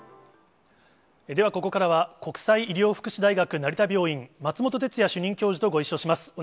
ではここからは、国際医療福祉大学成田病院、松本哲哉主任教授とご一緒します。